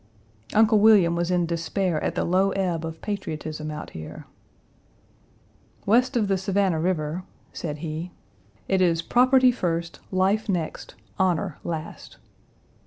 Uncle William was in despair at the low ebb of patriotism out here. "West of the Savannah River," said he, Page 224 "it is property first, life next, honor last."